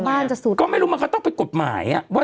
แล้วไม่รู้เปล่างั้นเขาก็ต้องไปกฎหมายอะ